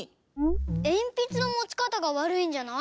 えんぴつのもちかたがわるいんじゃない？